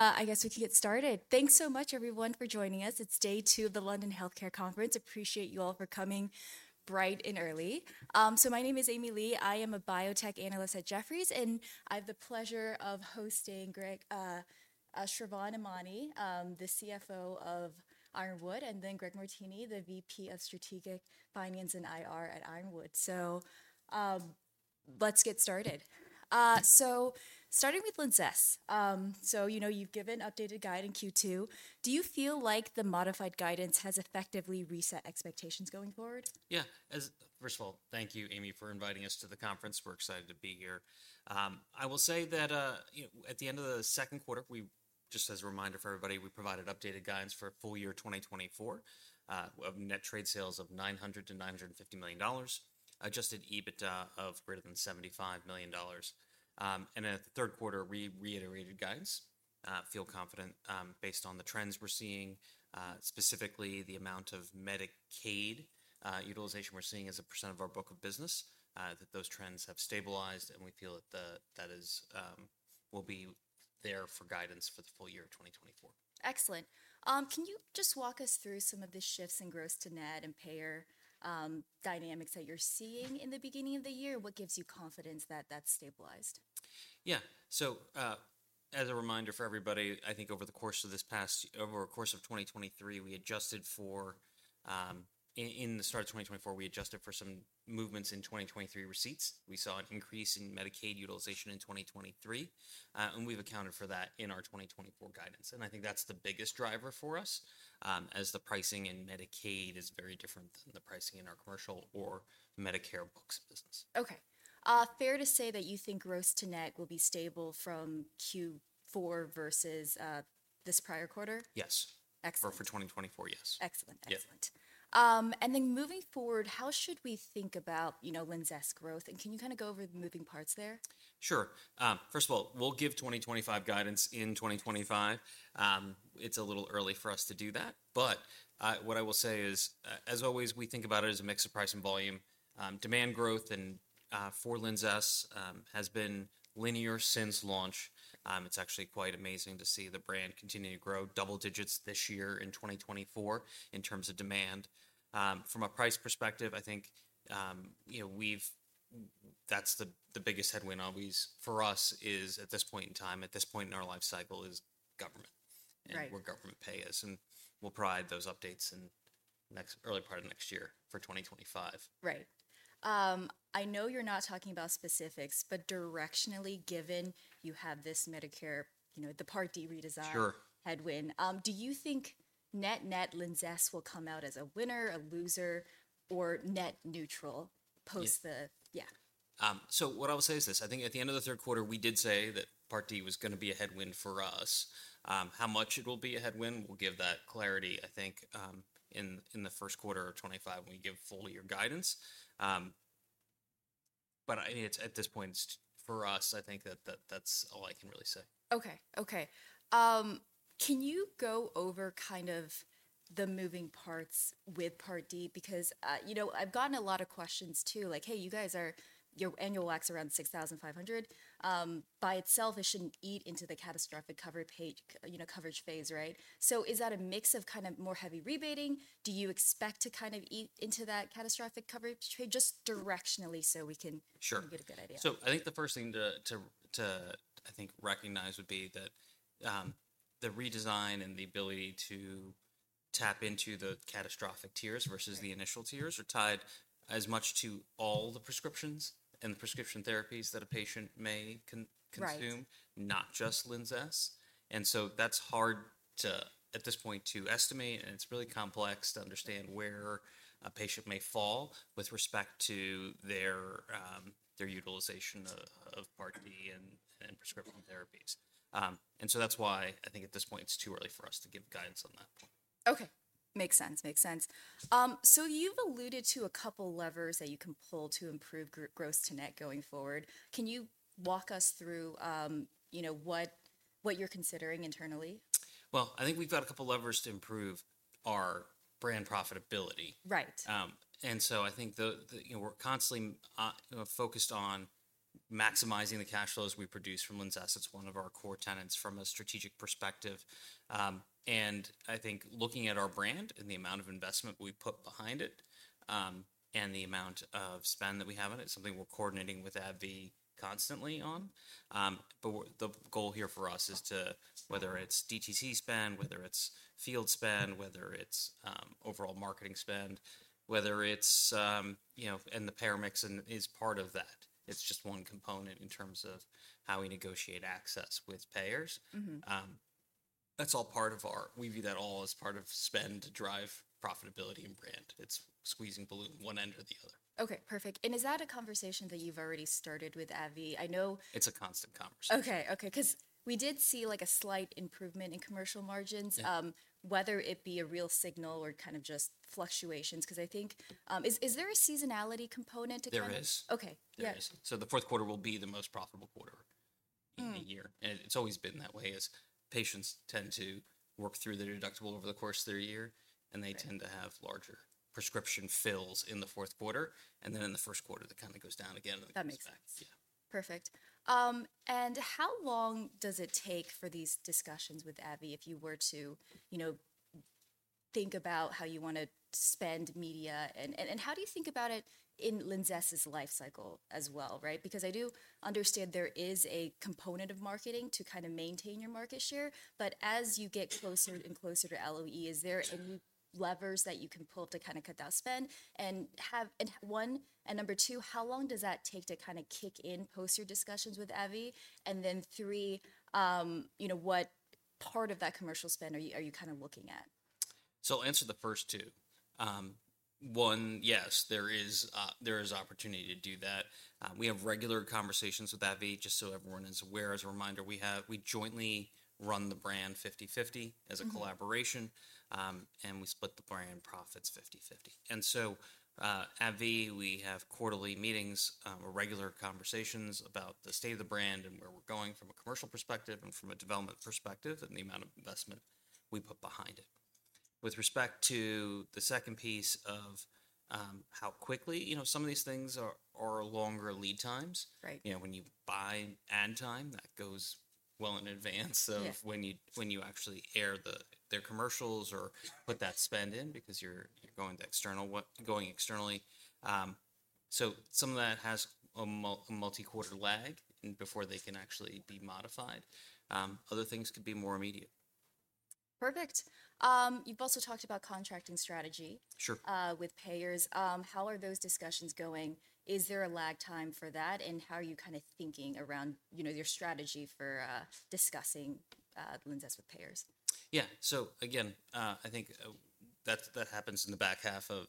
I guess we can get started. Thanks so much, everyone, for joining us. It's day two of the London Healthcare Conference. Appreciate you all for coming bright and early. So my name is Amy Li. I am a biotech analyst at Jefferies, and I have the pleasure of hosting Sravan Emany, the CFO of Ironwood, and then Greg Martini, the VP of Strategic Finance and IR at Ironwood. So let's get started. So starting with Linzess. So you know you've given updated guidance in Q2. Do you feel like the modified guidance has effectively reset expectations going forward? Yeah. First of all, thank you, Amy, for inviting us to the conference. We're excited to be here. I will say that at the end of the second quarter, we just, as a reminder for everybody, we provided updated guidance for full year 2024 of net trade sales of $900-$950 million, Adjusted EBITDA of greater than $75 million, and in the third quarter, we reiterated guidance, feel confident based on the trends we're seeing, specifically the amount of Medicaid utilization we're seeing as a percent of our book of business, that those trends have stabilized, and we feel that that will be there for guidance for the full year of 2024. Excellent. Can you just walk us through some of the shifts in gross to net and payer dynamics that you're seeing in the beginning of the year? What gives you confidence that that's stabilized? Yeah. So as a reminder for everybody, I think over the course of 2023, at the start of 2024, we adjusted for some movements in 2023 receipts. We saw an increase in Medicaid utilization in 2023, and we've accounted for that in our 2024 guidance, and I think that's the biggest driver for us, as the pricing in Medicaid is very different than the pricing in our commercial or Medicare books of business. Okay. Fair to say that you think gross to net will be stable from Q4 versus this prior quarter? Yes. Excellent. For 2024, yes. Excellent. Excellent. And then moving forward, how should we think about Linzess growth? And can you kind of go over the moving parts there? Sure. First of all, we'll give 2025 guidance in 2025. It's a little early for us to do that, but what I will say is, as always, we think about it as a mix of price and volume. Demand growth for Linzess has been linear since launch. It's actually quite amazing to see the brand continue to grow double digits this year in 2024 in terms of demand. From a price perspective, I think that's the biggest headwind always for us is at this point in time, at this point in our life cycle, is government and where government pay is, and we'll provide those updates in the early part of next year for 2025. Right. I know you're not talking about specifics, but directionally, given you have this Medicare, the Part D redesign headwind, do you think net-net Linzess will come out as a winner, a loser, or net neutral post that? Yeah. So what I will say is this. I think at the end of the third quarter, we did say that Part D was going to be a headwind for us. How much it will be a headwind, we'll give that clarity, I think, in the first quarter or 2025 when we give full year guidance. But I mean, at this point, for us, I think that that's all I can really say. Okay. Okay. Can you go over kind of the moving parts with Part D? Because I've gotten a lot of questions too, like, hey, you guys, is your annual WAC around $6,500. By itself, it shouldn't eat into the catastrophic coverage phase, right? So is that a mix of kind of more heavy rebating? Do you expect to kind of eat into that catastrophic coverage threshold just directionally so we can get a good idea? Sure, so I think the first thing to, I think, recognize would be that the redesign and the ability to tap into the catastrophic tiers versus the initial tiers are tied as much to all the prescriptions and the prescription therapies that a patient may consume, not just Linzess, and so that's hard to, at this point, to estimate, and it's really complex to understand where a patient may fall with respect to their utilization of Part D and prescription therapies, and so that's why I think at this point it's too early for us to give guidance on that point. Okay. Makes sense. Makes sense. So you've alluded to a couple levers that you can pull to improve gross to net going forward. Can you walk us through what you're considering internally? I think we've got a couple levers to improve our brand profitability. Right. And so I think we're constantly focused on maximizing the cash flows we produce from Linzess. It's one of our core tenets from a strategic perspective. And I think looking at our brand and the amount of investment we put behind it and the amount of spend that we have on it, it's something we're coordinating with AbbVie constantly on. But the goal here for us is to, whether it's DTC spend, whether it's field spend, whether it's overall marketing spend, whether it's, and the payer mix is part of that. It's just one component in terms of how we negotiate access with payers. That's all part of our, we view that all as part of spend to drive profitability and brand. It's squeezing balloon one end or the other. Okay. Perfect. And is that a conversation that you've already started with AbbVie? I know. It's a constant conversation. Okay. Okay. Because we did see a slight improvement in commercial margins, whether it be a real signal or kind of just fluctuations. Because I think, is there a seasonality component to? There is. Okay. There is. So the fourth quarter will be the most profitable quarter in the year. And it's always been that way as patients tend to work through their deductible over the course of their year, and they tend to have larger prescription fills in the fourth quarter. And then in the first quarter, that kind of goes down again. That makes sense. Yeah. Perfect. And how long does it take for these discussions with AbbVie if you were to think about how you want to spend media? And how do you think about it in Linzess's life cycle as well, right? Because I do understand there is a component of marketing to kind of maintain your market share. But as you get closer and closer to LOE, is there any levers that you can pull to kind of cut that spend? And one, and number two, how long does that take to kind of kick in post your discussions with AbbVie? And then three, what part of that commercial spend are you kind of looking at? So, I'll answer the first two. One, yes, there is opportunity to do that. We have regular conversations with AbbVie, just so everyone is aware. As a reminder, we jointly run the brand 50/50 as a collaboration, and we split the brand profits 50/50. And so AbbVie, we have quarterly meetings, regular conversations about the state of the brand and where we're going from a commercial perspective and from a development perspective and the amount of investment we put behind it. With respect to the second piece of how quickly, some of these things are longer lead times. When you buy ad time, that goes well in advance of when you actually air their commercials or put that spend in because you're going externally. So some of that has a multi-quarter lag before they can actually be modified. Other things could be more immediate. Perfect. You've also talked about contracting strategy with payers. How are those discussions going? Is there a lag time for that? And how are you kind of thinking around your strategy for discussing Linzess with payers? Yeah. So again, I think that happens in the back half of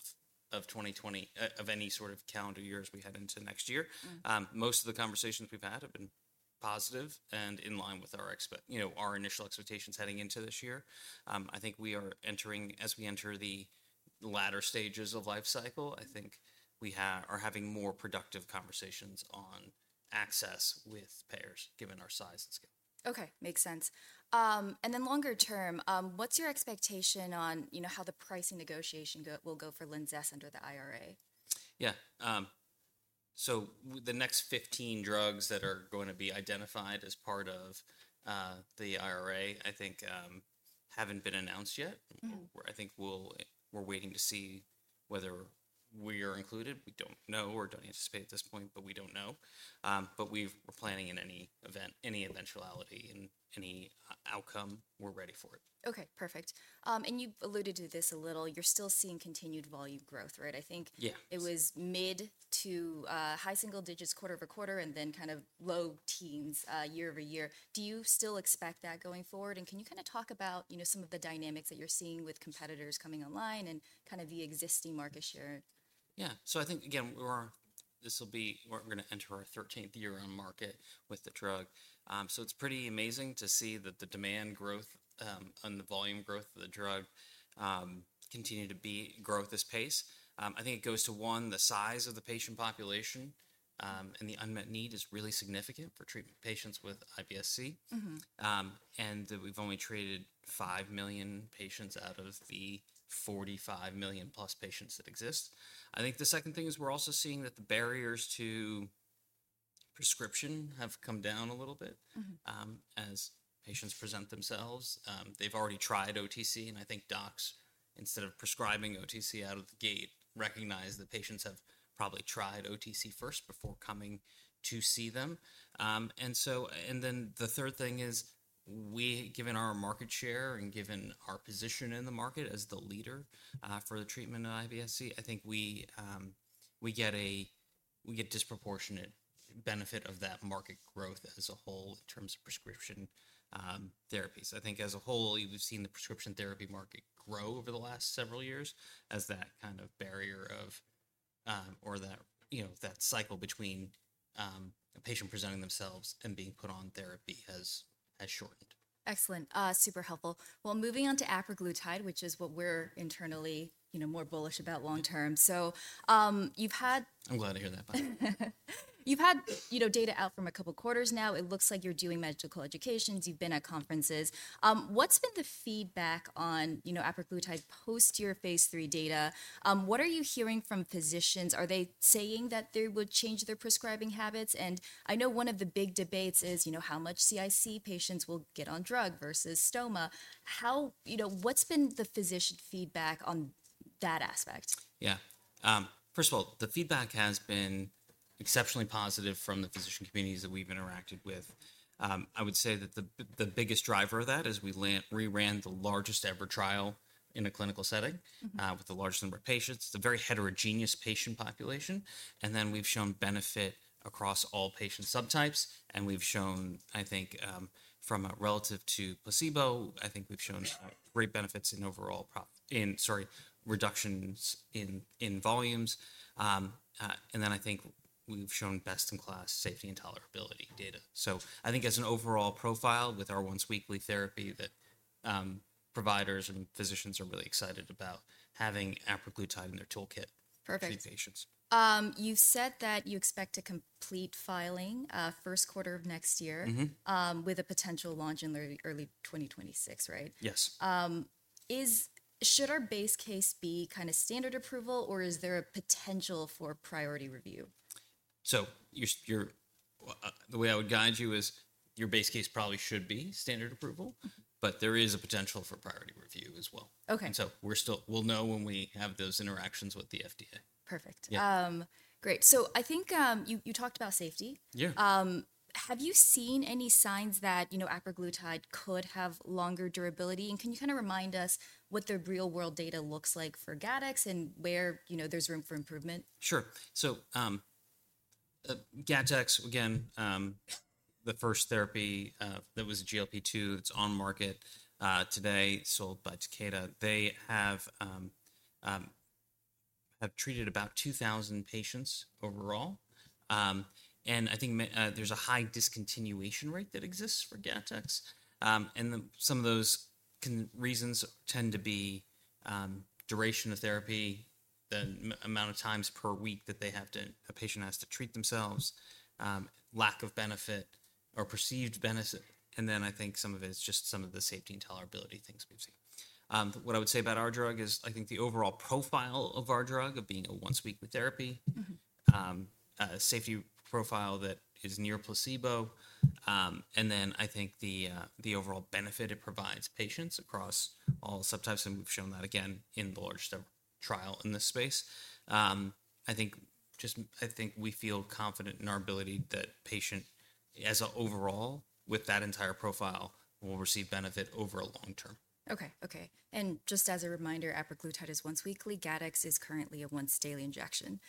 2020 of any sort of calendar year as we head into next year. Most of the conversations we've had have been positive and in line with our initial expectations heading into this year. I think we are entering, as we enter the latter stages of life cycle. I think we are having more productive conversations on access with payers given our size and scale. Okay. Makes sense, and then longer term, what's your expectation on how the pricing negotiation will go for Linzess under the IRA? Yeah. So the next 15 drugs that are going to be identified as part of the IRA, I think, haven't been announced yet. I think we're waiting to see whether we are included. We don't know or don't anticipate at this point, but we don't know. But we're planning in any eventuality and any outcome. We're ready for it. Okay. Perfect. And you've alluded to this a little. You're still seeing continued volume growth, right? I think it was mid to high single digits quarter over quarter and then kind of low teens year over year. Do you still expect that going forward? And can you kind of talk about some of the dynamics that you're seeing with competitors coming online and kind of the existing market share? Yeah. So I think, again, this will be where we're going to enter our 13th year on market with the drug. So it's pretty amazing to see that the demand growth and the volume growth of the drug continue to grow at this pace. I think it goes to, one, the size of the patient population and the unmet need is really significant for treating patients with IBS-C. And we've only treated five million patients out of the 45 million plus patients that exist. I think the second thing is we're also seeing that the barriers to prescription have come down a little bit as patients present themselves. They've already tried OTC, and I think docs, instead of prescribing OTC out of the gate, recognize that patients have probably tried OTC first before coming to see them. And then the third thing is, given our market share and given our position in the market as the leader for the treatment of IBS-C, I think we get a disproportionate benefit of that market growth as a whole in terms of prescription therapies. I think as a whole, we've seen the prescription therapy market grow over the last several years as that kind of barrier or that cycle between a patient presenting themselves and being put on therapy has shortened. Excellent. Super helpful. Well, moving on to apraglutide, which is what we're internally more bullish about long term. So you've had. I'm glad to hear that, buddy. You've had data out from a couple quarters now. It looks like you're doing medical educations. You've been at conferences. What's been the feedback on apraglutide post your phase three data? What are you hearing from physicians? Are they saying that they would change their prescribing habits? And I know one of the big debates is how much CIC patients will get on drug versus stoma. What's been the physician feedback on that aspect? Yeah. First of all, the feedback has been exceptionally positive from the physician communities that we've interacted with. I would say that the biggest driver of that is we re-ran the largest ever trial in a clinical setting with the largest number of patients. It's a very heterogeneous patient population. And then we've shown benefit across all patient subtypes. And we've shown, I think, from a relative to placebo, I think we've shown great benefits in overall, sorry, reductions in volumes. And then I think we've shown best-in-class safety and tolerability data. So I think as an overall profile with our once-weekly therapy that providers and physicians are really excited about having Apraglutide in their toolkit for these patients. Perfect. You've said that you expect to complete filing first quarter of next year with a potential launch in early 2026, right? Yes. Should our base case be kind of standard approval, or is there a potential for priority review? The way I would guide you is your base case probably should be standard approval, but there is a potential for priority review as well. We'll know when we have those interactions with the FDA. Perfect. Great. So I think you talked about safety. Have you seen any signs that apraglutide could have longer durability? And can you kind of remind us what the real-world data looks like for Gattex and where there's room for improvement? Sure. So Gattex, again, the first therapy that was a GLP-2, it's on market today, sold by Takeda. They have treated about 2,000 patients overall. And I think there's a high discontinuation rate that exists for Gattex. And some of those reasons tend to be duration of therapy, the amount of times per week that a patient has to treat themselves, lack of benefit or perceived benefit. And then I think some of it is just some of the safety and tolerability things we've seen. What I would say about our drug is I think the overall profile of our drug of being a once-weekly therapy, safety profile that is near placebo. And then I think the overall benefit it provides patients across all subtypes, and we've shown that again in the large trial in this space. I think we feel confident in our ability that patient, as an overall, with that entire profile, will receive benefit over a long term. Okay. Okay. And just as a reminder, apraglutide is once weekly. Gattex is currently a once-daily injection.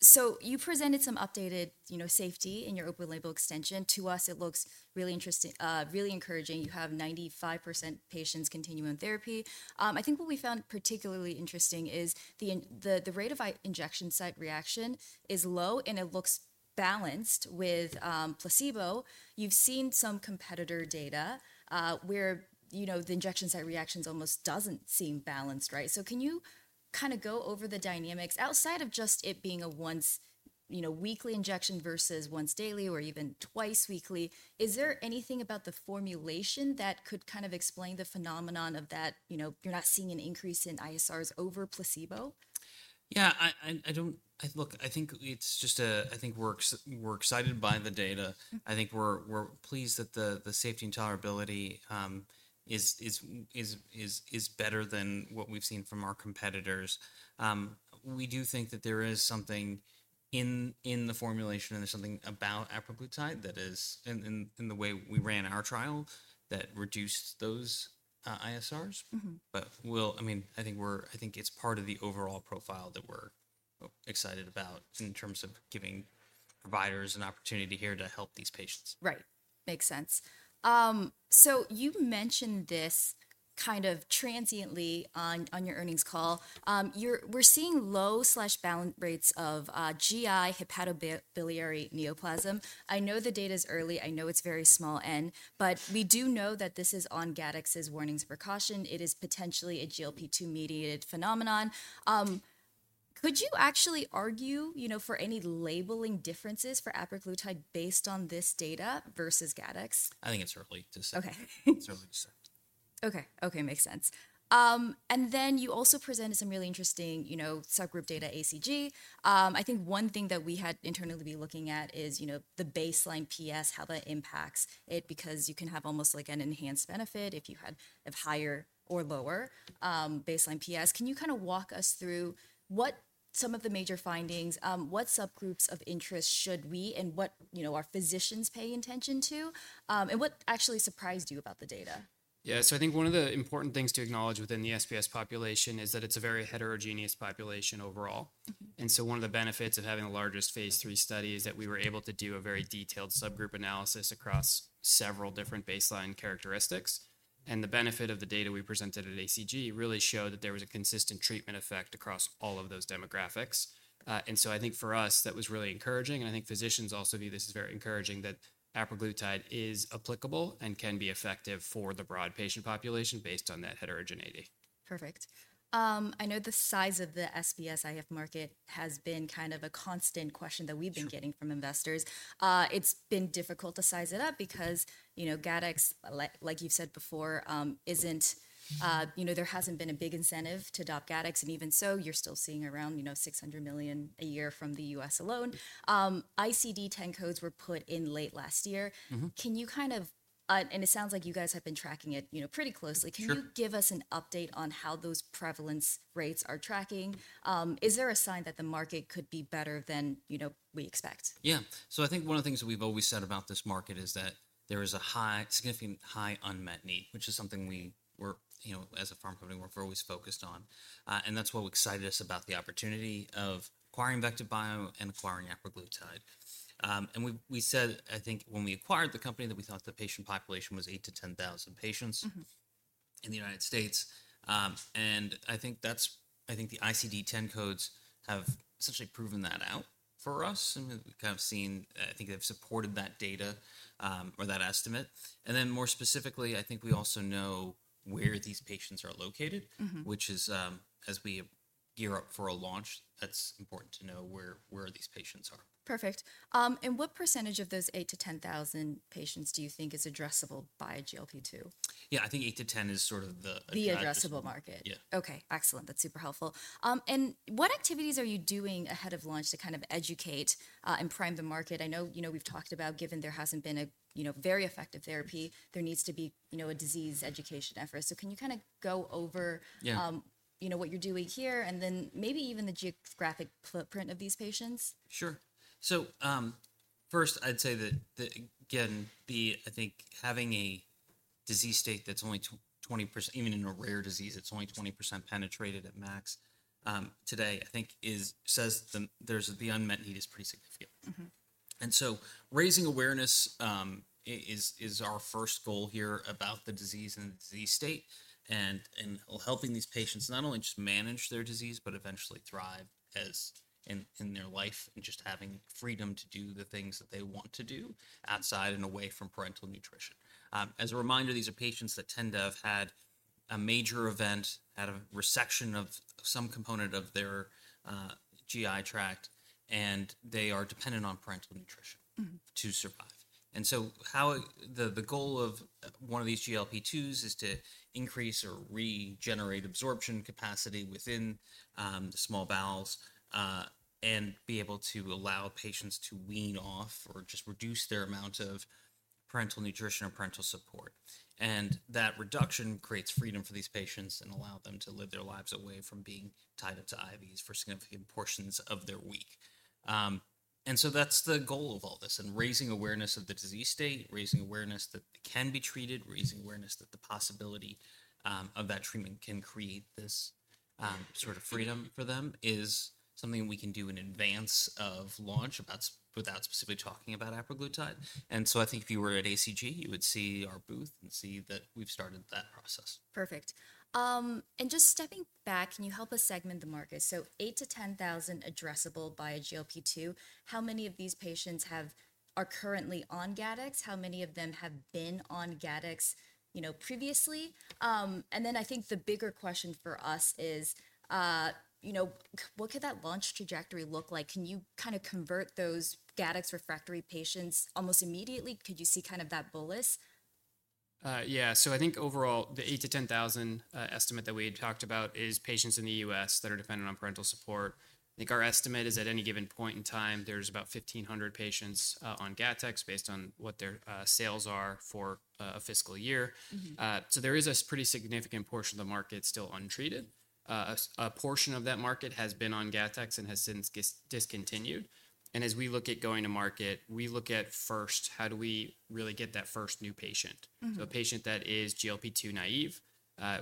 So you presented some updated safety in your open label extension to us. It looks really encouraging. You have 95% patients continuing on therapy. I think what we found particularly interesting is the rate of injection site reaction is low, and it looks balanced with placebo. You've seen some competitor data where the injection site reaction almost doesn't seem balanced, right? So can you kind of go over the dynamics outside of just it being a once-weekly injection versus once daily or even twice weekly? Is there anything about the formulation that could kind of explain the phenomenon of that you're not seeing an increase in ISRs over placebo? Yeah. Look, I think it's just, I think we're excited by the data. I think we're pleased that the safety and tolerability is better than what we've seen from our competitors. We do think that there is something in the formulation and there's something about apraglutide that is in the way we ran our trial that reduced those ISRs. But I mean, I think it's part of the overall profile that we're excited about in terms of giving providers an opportunity here to help these patients. Right. Makes sense. So you mentioned this kind of transiently on your earnings call. We're seeing low, balanced rates of GI hepatobiliary neoplasm. I know the data is early. I know it's very small N, but we do know that this is on Gattex's warnings and precautions. It is potentially a GLP-2 mediated phenomenon. Could you actually argue for any labeling differences for apraglutide based on this data versus Gattex? I think it's early to say. Okay. Okay. Makes sense, and then you also presented some really interesting subgroup data, ACG. I think one thing that we had internally to be looking at is the baseline PS, how that impacts it, because you can have almost like an enhanced benefit if you had a higher or lower baseline PS. Can you kind of walk us through some of the major findings, what subgroups of interest should we and what are physicians paying attention to, and what actually surprised you about the data? Yeah, so I think one of the important things to acknowledge within the SBS population is that it's a very heterogeneous population overall, and so one of the benefits of having the largest phase three study is that we were able to do a very detailed subgroup analysis across several different baseline characteristics, and the benefit of the data we presented at ACG really showed that there was a consistent treatment effect across all of those demographics, and so I think for us, that was really encouraging, and I think physicians also view this as very encouraging that apraglutide is applicable and can be effective for the broad patient population based on that heterogeneity. Perfect. I know the size of the SBS-IF market has been kind of a constant question that we've been getting from investors. It's been difficult to size it up because Gattex, like you've said before, there hasn't been a big incentive to adopt Gattex. And even so, you're still seeing around $600 million a year from the U.S. alone. ICD-10 codes were put in late last year. Can you kind of, and it sounds like you guys have been tracking it pretty closely. Can you give us an update on how those prevalence rates are tracking? Is there a sign that the market could be better than we expect? Yeah. So I think one of the things that we've always said about this market is that there is a significant high unmet need, which is something we, as a pharma company worker, always focused on. And that's what excited us about the opportunity of acquiring VectivBio and acquiring apraglutide. And we said, I think when we acquired the company, that we thought the patient population was 8,000-10,000 patients in the United States. And I think the ICD-10 codes have essentially proven that out for us. And we've kind of seen, I think they've supported that data or that estimate. And then more specifically, I think we also know where these patients are located, which is as we gear up for a launch, that's important to know where these patients are. Perfect. And what percentage of those 8,000-10,000 patients do you think is addressable by GLP-2? Yeah. I think 8,000-10,000 is sort of the. The addressable market. Yeah. Okay. Excellent. That's super helpful. And what activities are you doing ahead of launch to kind of educate and prime the market? I know we've talked about, given there hasn't been a very effective therapy, there needs to be a disease education effort. So can you kind of go over what you're doing here and then maybe even the geographic footprint of these patients? Sure. So first, I'd say that, again, I think having a disease state that's only 20%, even in a rare disease, it's only 20% penetrated at max today, I think says the unmet need is pretty significant, and so raising awareness is our first goal here about the disease and the disease state and helping these patients not only just manage their disease, but eventually thrive in their life and just having freedom to do the things that they want to do outside and away from parenteral nutrition. As a reminder, these are patients that tend to have had a major event, had a resection of some component of their GI tract, and they are dependent on parenteral nutrition to survive. The goal of one of these GLP-2s is to increase or regenerate absorption capacity within the small bowels and be able to allow patients to wean off or just reduce their amount of parenteral nutrition or parenteral support. That reduction creates freedom for these patients and allows them to live their lives away from being tied up to IVs for significant portions of their week. That's the goal of all this, and raising awareness of the disease state, raising awareness that it can be treated, raising awareness that the possibility of that treatment can create this sort of freedom for them is something we can do in advance of launch without specifically talking about apraglutide. I think if you were at ACG, you would see our booth and see that we've started that process. Perfect. And just stepping back, can you help us segment the market? So 8,000-10,000 addressable by GLP-2. How many of these patients are currently on Gattex? How many of them have been on Gattex previously? And then I think the bigger question for us is, what could that launch trajectory look like? Can you kind of convert those Gattex refractory patients almost immediately? Could you see kind of that bullets? Yeah. So I think overall, the 8,000-10,000 estimate that we had talked about is patients in the U.S. that are dependent on parenteral support. I think our estimate is at any given point in time, there's about 1,500 patients on Gattex based on what their sales are for a fiscal year. So there is a pretty significant portion of the market still untreated. A portion of that market has been on Gattex and has since discontinued. And as we look at going to market, we look at first, how do we really get that first new patient? So a patient that is GLP-2 naive,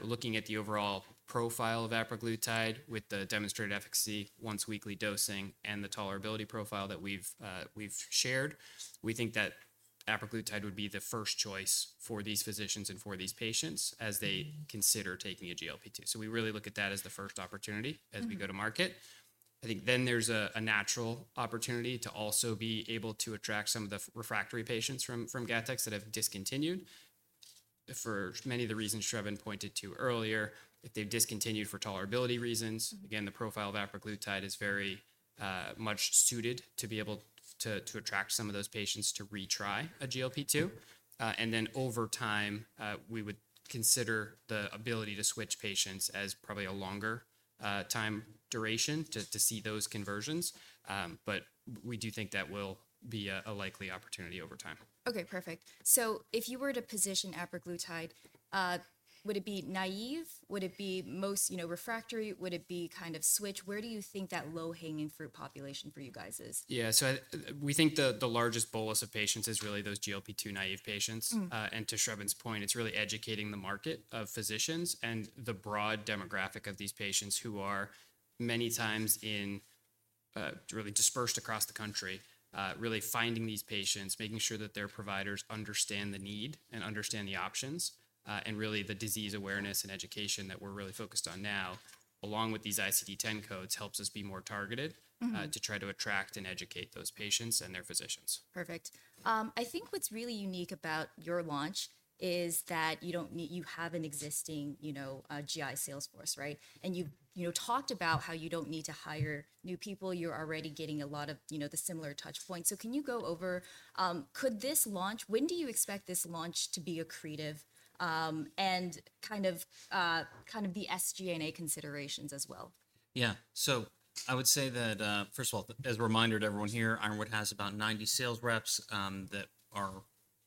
looking at the overall profile of apraglutide with the demonstrated efficacy, once-weekly dosing, and the tolerability profile that we've shared, we think that apraglutide would be the first choice for these physicians and for these patients as they consider taking a GLP-2. So we really look at that as the first opportunity as we go to market. I think then there's a natural opportunity to also be able to attract some of the refractory patients from Gattex that have discontinued for many of the reasons Sravan pointed to earlier. If they've discontinued for tolerability reasons, again, the profile of apraglutide is very much suited to be able to attract some of those patients to retry a GLP-2. And then over time, we would consider the ability to switch patients as probably a longer time duration to see those conversions. But we do think that will be a likely opportunity over time. Okay. Perfect. So if you were to position apraglutide, would it be naive? Would it be most refractory? Would it be kind of switch? Where do you think that low-hanging fruit population for you guys is? Yeah. So we think the largest bolus of patients is really those GLP-2 naive patients. And to Sravan's point, it's really educating the market of physicians and the broad demographic of these patients who are many times really dispersed across the country, really finding these patients, making sure that their providers understand the need and understand the options. And really the disease awareness and education that we're really focused on now, along with these ICD-10 codes, helps us be more targeted to try to attract and educate those patients and their physicians. Perfect. I think what's really unique about your launch is that you have an existing GI salesforce, right? And you talked about how you don't need to hire new people. You're already getting a lot of the similar touch points. So can you go over when do you expect this launch to be and the creative and kind of the SG&A considerations as well? Yeah. So I would say that, first of all, as a reminder to everyone here, Ironwood has about 90 sales reps that are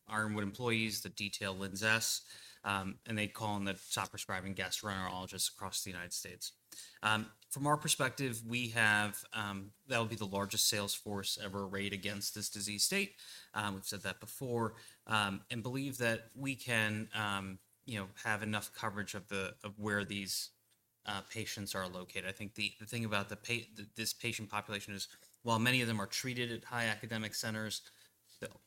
Ironwood employees. They detail Linzess, and they call on the top prescribing gastroenterologists across the United States. From our perspective, that will be the largest sales force ever arrayed against this disease state. We've said that before and believe that we can have enough coverage of where these patients are located. I think the thing about this patient population is, while many of them are treated at high academic centers,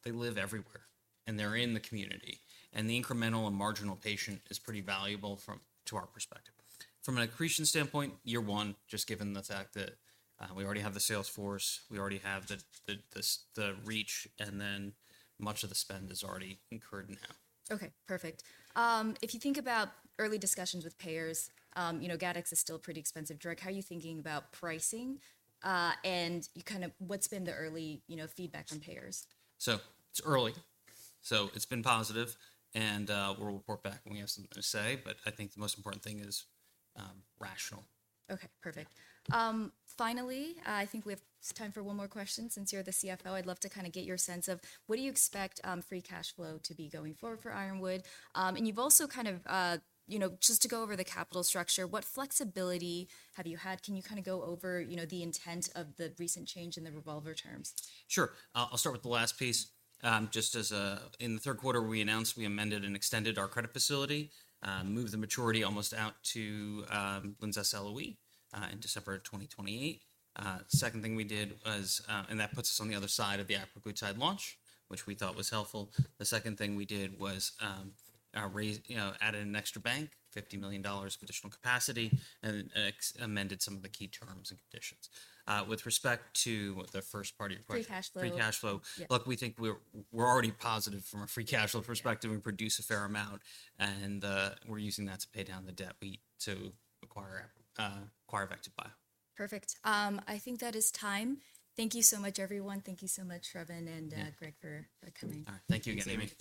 they live everywhere and they're in the community. And the incremental and marginal patient is pretty valuable to our perspective. From an accretion standpoint, year one, just given the fact that we already have the sales force, we already have the reach, and then much of the spend is already incurred now. Okay. Perfect. If you think about early discussions with payers, Gattex is still a pretty expensive drug. How are you thinking about pricing? And kind of what's been the early feedback from payers? So it's early. So it's been positive. And we'll report back when we have something to say. But I think the most important thing is rational. Okay. Perfect. Finally, I think we have time for one more question. Since you're the CFO, I'd love to kind of get your sense of what do you expect free cash flow to be going forward for Ironwood? And you've also kind of, just to go over the capital structure, what flexibility have you had? Can you kind of go over the intent of the recent change in the revolver terms? Sure. I'll start with the last piece. Just as in the third quarter, we announced we amended and extended our credit facility, moved the maturity almost out to Linzess LOE in December 2028. The second thing we did was, and that puts us on the other side of the apraglutide launch, which we thought was helpful. The second thing we did was added an extra bank, $50 million of additional capacity, and amended some of the key terms and conditions. With respect to the first part of your question. Free cash flow. Free cash flow. Look, we think we're already positive from a free cash flow perspective. We produce a fair amount, and we're using that to pay down the debt to acquire VectivBio. Perfect. I think that is time. Thank you so much, everyone. Thank you so much, Sravan and Greg, for coming. All right. Thank you again, Amy.